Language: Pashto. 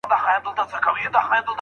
ما ناولونه ، ما كيسې ،ما فلسفې لوستي دي